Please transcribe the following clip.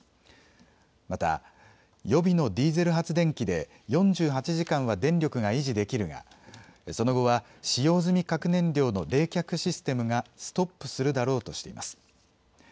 また予備のディーゼル発電機で４８時間は電力が維持できるがその後は使用済み核燃料の冷却システムがストップするだろうとしています。